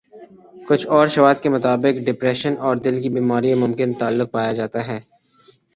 کچھ اورشواہد کے مطابق ڈپریشن اور دل کی بیماریوں ممکن تعلق پایا جاتا ہے